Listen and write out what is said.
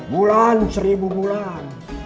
bulan seribu bulan